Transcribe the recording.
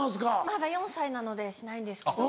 まだ４歳なのでしないですけど。